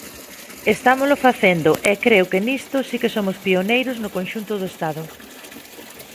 Estámolo facendo e creo que nisto si que somos pioneiros no conxunto do Estado.